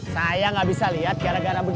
saya gak bisa liat gara gara beginian ibu nih